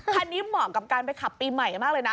เหมาะกับการไปขับปีใหม่มากเลยนะ